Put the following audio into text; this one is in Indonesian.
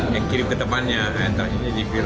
yang kirim ke temannya entah ini jadi viral